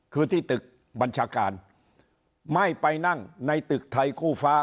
คือที่ตึกบัญชาการไม่ไปนั่งในตึกไทยคู่ฟ้า